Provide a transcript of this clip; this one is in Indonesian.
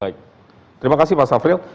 baik terima kasih mas afril